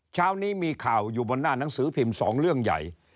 เช้านี้มีข่าวอยู่บนหน้าหนังสือพิมพ์๒เรื่องใหญ่